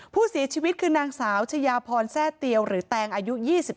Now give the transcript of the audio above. ผู้เสียชีวิตคือนางสาวชายาพรแทร่เตียวหรือแตงอายุ๒๓